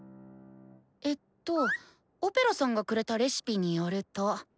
えっとオペラさんがくれたレシピによると。